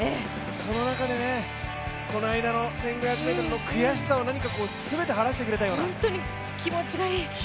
その中でこの間の１５００ｍの悔しさを何かすべて晴らしてくれたような。